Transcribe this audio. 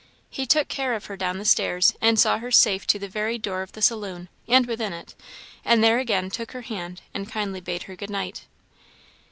He took care of her down the stairs, and saw her safe to the very door of the saloon, and within it, and there again took her hand, and kindly bade her good night.